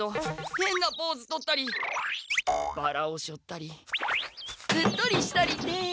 へんなポーズとったりバラをしょったりうっとりしたりで。